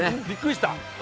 びっくりした。